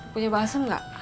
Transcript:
punya basem nggak